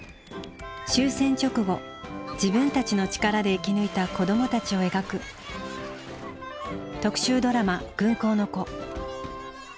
終戦直後自分たちの力で生き抜いた子どもたちを描く特集ドラマ「軍港の子」